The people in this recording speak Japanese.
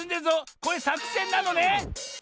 これさくせんなのね？